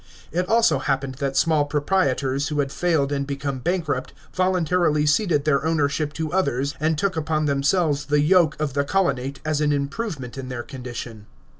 It also happened that small proprietors who had failed and become bankrupt, voluntarily ceded their ownership to others an.l took upon themselves the yoke of the colonate as an improvement in tluir condition.